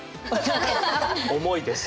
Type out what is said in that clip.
重いです。